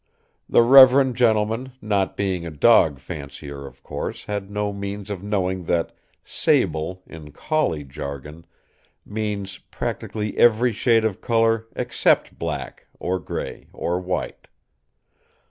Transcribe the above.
The reverend gentleman, not being a dog fancier, of course had no means of knowing that "sable", in collie jargon, means practically every shade of color except black or gray or white.